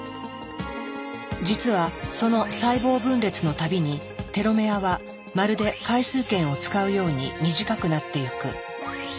実はその細胞分裂のたびにテロメアはまるで回数券を使うように短くなっていく。